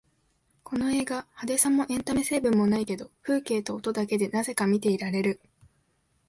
この映画、派手さもエンタメ成分もないけど風景と音だけでなぜか見ていられる